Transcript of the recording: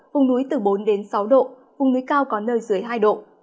vùng núi từ bốn đến sáu độ vùng núi cao có nơi dưới hai độ